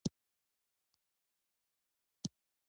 وادي د افغانستان د صنعت لپاره مواد برابروي.